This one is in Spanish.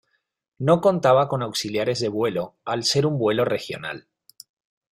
No contaba con auxiliares de vuelo al ser un vuelo regional.